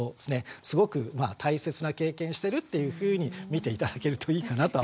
すごく大切な経験してるっていうふうに見て頂けるといいかなとは思います。